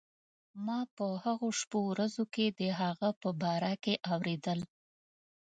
ما په هغو شپو ورځو کې د هغه په باره کې اورېدل.